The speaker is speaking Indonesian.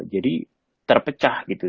jadi terpecah gitu